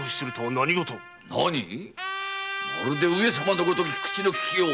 なに⁉まるで上様のごとき口の利きよう。